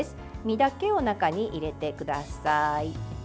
身だけを中に入れてください。